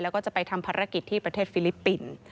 แล้วก็จะไปทำภารกิจที่ประเทศฟิลิปปินส์